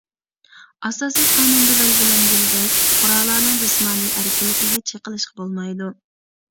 ئاساسىي قانۇندا بەلگىلەنگىنىدەك، پۇقرالارنىڭ جىسمانىي ئەركىنلىكىگە چېقىلىشقا بولمايدۇ.